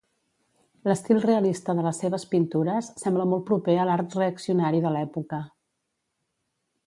L'estil realista de les seves pintures sembla molt proper a l'art reaccionari de l'època.